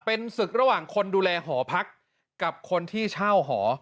เป็นศึกระหว่างคนดูแลหอพักกับคนที่เช่าหอ